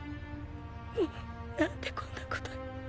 もうなんでこんなことに。